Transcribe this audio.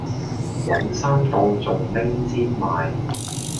搵衫當仲拎氈賣